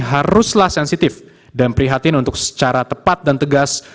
haruslah sensitif dan prihatin untuk secara tepat dan tegas